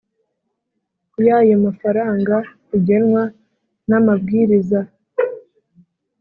y ayo mafaranga bigenwa n Amabwiriza